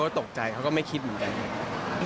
ก็ตกใจก็ไม่คิดเหมือนกัน